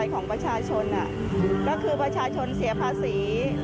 ของประชาชนก็คือประชาชนเสียภาษี